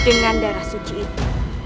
dengan darah suci itu